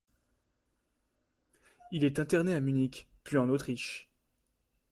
Il est interné à Munich, puis en Autriche.